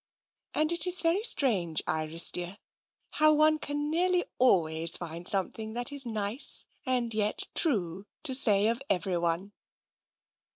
And it is very strange, Iris dear, how one can nearly always find something that is nice and yet true, to say of everyone."